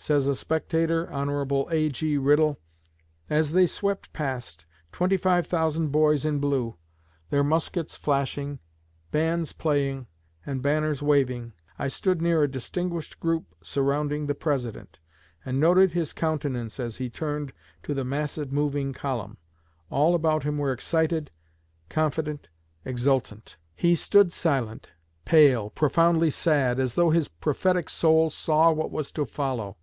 Says a spectator, Hon. A.G. Riddle: "As they swept past twenty five thousand boys in blue their muskets flashing, bands playing, and banners waving, I stood near a distinguished group surrounding the President, and noted his countenance as he turned to the massive moving column. All about him were excited, confident, exultant. He stood silent, pale, profoundly sad, as though his prophetic soul saw what was to follow.